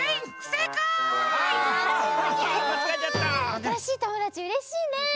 あたらしいともだちうれしいね！